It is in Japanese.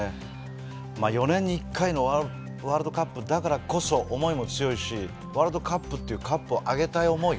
４年に１回のワールドカップだからこそ思いも強いしワールドカップっていうカップを挙げたい思い。